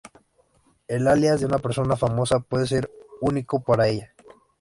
El alias de una persona famosa puede ser único para ella.